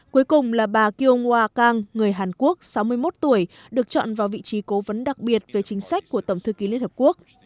cuối cùng là bà kyongwa kang người hàn quốc sáu mươi một tuổi được chọn vào vị trí cố vấn đặc biệt về chính sách của tổng thư ký liên hợp quốc